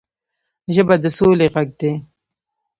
ژبه د سولې غږ دی